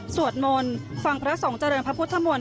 สวดมนต์ฟังพระสงฆ์เจริญพระพุทธมนต